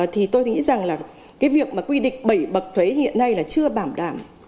thì tôi nghĩ rằng là cái việc mà quy định bảy bậc thuế hiện nay là chưa bảo đảm